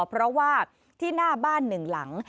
เพราะว่าที่หน้าบ้านหนึ่งหลัง